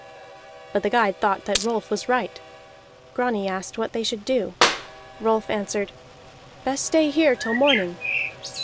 But the guide thought that Rolf was right. Grani asked what they should do. Rolf answered: "Best stay here till morning."